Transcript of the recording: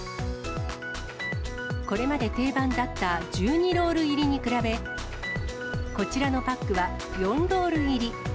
これまで定番だった１２ロール入りに比べ、こちらのパックは４ロール入り。